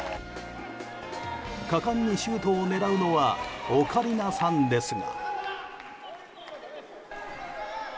果敢にシュートを狙うのはオカリナさんですが。